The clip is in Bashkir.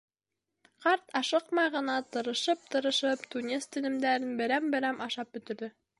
Ҡарт ашыҡмай ғына, тырышып-тырышып, тунец телемдәрен берәм-берәм ашап бөтөрҙө.